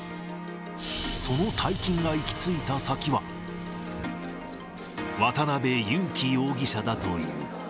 その大金が行き着いた先は、渡辺優樹容疑者だという。